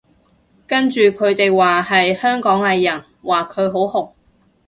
跟住佢哋話係香港藝人，話佢好紅